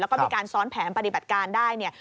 แล้วก็มีการซ้อนแผนปฏิบัติการได้เนี่ย